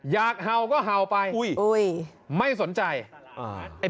อยากเห่าก็เห่าไปไม่สนใจ